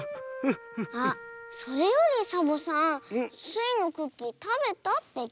あっそれよりサボさんスイのクッキーたべたっていった？